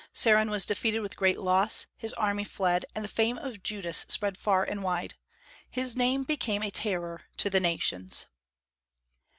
Seron was defeated with great loss, his army fled, and the fame of Judas spread far and wide. His name became a terror to the nations.